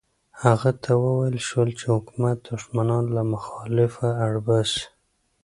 هغه ته وویل شول چې حکومت دښمنان له مخالفته اړ باسي.